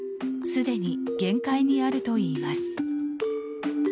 すでに限界にあるといいます。